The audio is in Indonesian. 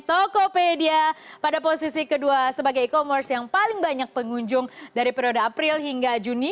tokopedia pada posisi kedua sebagai e commerce yang paling banyak pengunjung dari periode april hingga juni